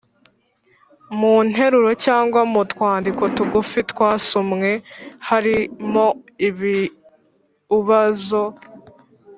mu nteruro cyangwa mu twandiko tugufi twasomwe harimo ibiubazo